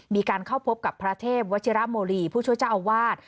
มีการเข้าพบกับพระเทพวัชิระโมลีผู้ช่วยเจ้าอาวาส